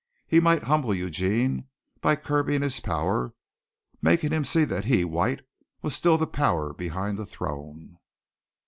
He might humble Eugene by curbing his power, making him see that he, White, was still the power behind the throne.